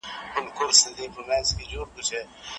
پرمختيا د بېوزلۍ د له منځه وړلو يوازينۍ لار ده.